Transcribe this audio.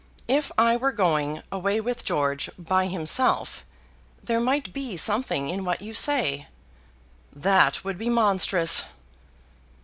If I were going away with George by himself, there might be something in what you say." "That would be monstrous."